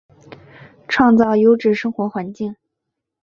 创造优质生活环境